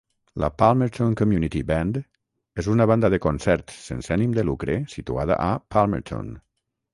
La Palmerton Community Band és una banda de concerts sense ànim de lucre situada a Palmerton.